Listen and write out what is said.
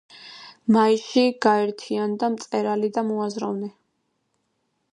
მასში გაერთიანდა მწერალი და მოაზროვნე.